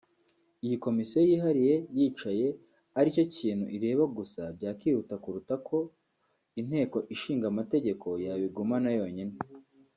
Iyi Komisiyo yihariye yicaye ari cyo kintu ireba gusa byakihuta kuruta ko Inteko Ishinga Amategeko yabigumana yonyine